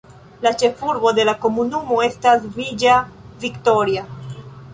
La ĉefurbo de la komunumo estas Villa Victoria.